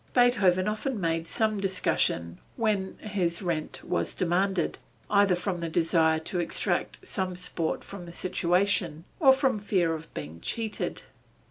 Beethoven often made some discussion when his rent was demanded, either from the desire to extract some sport from the situation, or from fear of being cheated.